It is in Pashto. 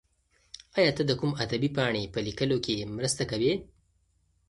ایا ته د کوم ادبي پاڼې په لیکلو کې مرسته کوې؟